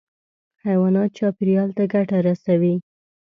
حیوانات چاپېریال ته ګټه رسوي.